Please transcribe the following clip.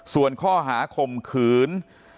ส่วนข้อหาข่มขืน